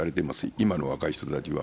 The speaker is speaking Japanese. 今の若いひとたちは。